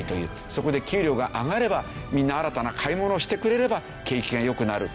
そこで給料が上がればみんな新たな買い物をしてくれれば景気が良くなる。